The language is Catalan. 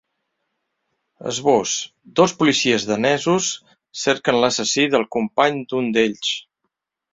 Esbós: Dos policies danesos cerquen l’assassí del company d’un d’ells.